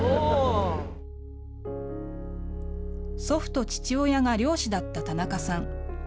祖父と父親が漁師だった田中さん。